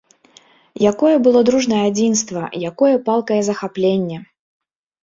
Якое было дружнае адзінства, якое палкае захапленне!